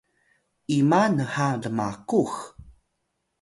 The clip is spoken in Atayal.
ima nha lmaqux?